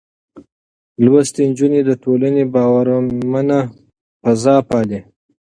لوستې نجونې د ټولنې باورمنه فضا پالي.